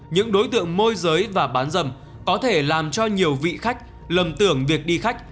những đối tượng môi giới và bán dâm có thể làm cho nhiều vị khách lầm tưởng việc đi khách